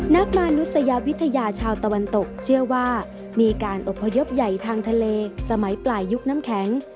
มนุษยวิทยาชาวตะวันตกเชื่อว่ามีการอบพยพใหญ่ทางทะเลสมัยปลายยุคน้ำแข็ง